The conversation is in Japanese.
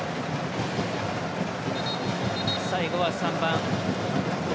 最後は３番。